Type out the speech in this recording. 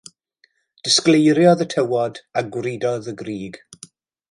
Disgleiriodd y tywod, a gwridodd y grug.